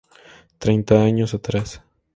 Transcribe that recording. Treinta años atrás.